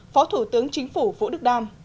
phó thủ tướng chính phủ vũ đức đam